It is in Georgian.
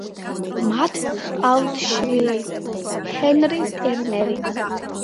მათ ჰყავთ შვილი, ჰენრი ტერნერი.